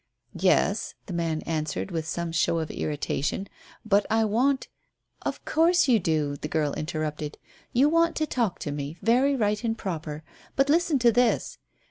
"Yes," the man answered, with some show of irritation. "But I want " "Of course you do," the girl interrupted. "You want to talk to me very right and proper. But listen to this."